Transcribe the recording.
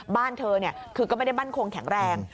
บ้านเธอคือก็ไม่ได้มั่นคงแข็งแรง